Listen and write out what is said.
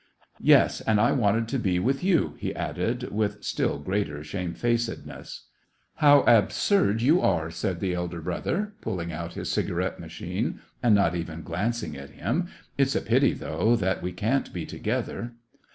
Yes, and I wanted to be with you," he added, with still greater shame faced ness. " How absurd you are !" said the elder brother, pulling out his cigarette machine, and not even glancing at him. " It's a pity, though, that we can't be together."